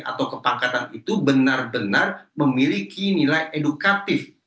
atau kepangkatan itu benar benar memiliki nilai edukatif